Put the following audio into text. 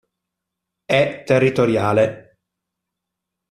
È territoriale.